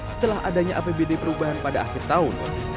setelah adanya apbd perubahan pada akhir tahun